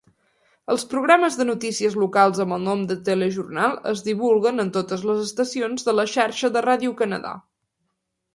El programes de notícies locals amb el nom de "Téléjournal" es divulguen en totes les estacions de la xarxa de Ràdio Canadà.